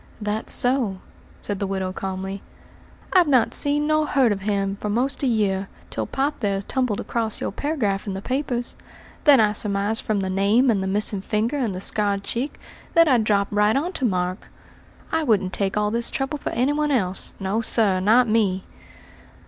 "That's so," said the widow calmly. "I've not seen nor heard of him for most a year, till pop there tumbled across your paragraph in the papers. Then I surmised from the name and the missing finger and the scarred cheek, that I'd dropped right on to Mark. I wouldn't take all this trouble for any one else; no, sir, not me!"